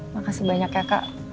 makasih banyak ya kak